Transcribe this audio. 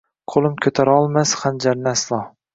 Qo’lim ko’tarolmas xanjarni aslo.